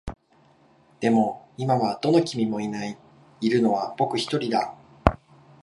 でも、今はどの君もいない。いるのは僕一人だ。